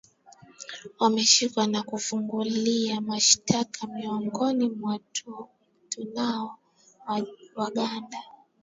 wameshikwa na kufungulia mashitaka miongoni mwao tunao waganda